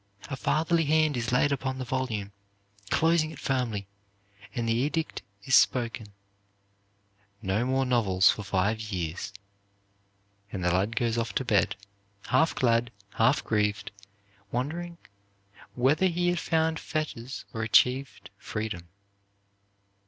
A fatherly hand is laid upon the volume, closing it firmly, and the edict is spoken, 'No more novels for five years.' And the lad goes off to bed, half glad, half grieved, wondering whether he has found fetters or achieved freedom.